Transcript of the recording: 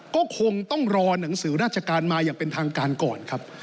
ก็คงต้องรอหนังสือราชการมาอย่างเป็นทางการก่อนครับ